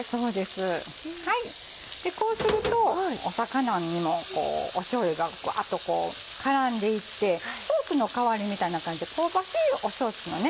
こうすると魚にもしょうゆがグワっと絡んでいってソースの代わりみたいな感じで香ばしいソースのね